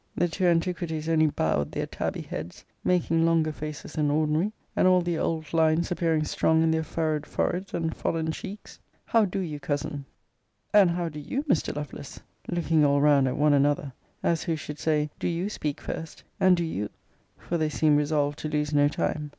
The two antiquities only bowed their tabby heads; making longer faces than ordinary; and all the old lines appearing strong in their furrowed foreheads and fallen cheeks; How do you, Cousin? And how do you, Mr. Lovelace? looking all round at one another, as who should say, do you speak first: and, do you: for they seemed resolved to lose no time.